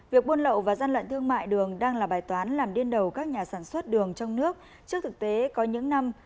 việc buôn lậu và gian lận thương mại đường đang là bài toán làm điên đầu các nhà sản xuất đường trong nước trước thực tế có những năm